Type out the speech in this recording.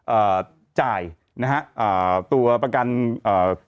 เอ่อจ่ายนะฮะอ่าตัวประกันเอ่อ